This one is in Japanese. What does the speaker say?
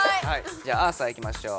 じゃあアーサーいきましょう。